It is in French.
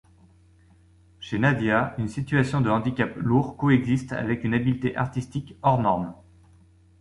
Chez Nadia, une situation de handicap lourd coexiste avec une habileté artistique hors-norme.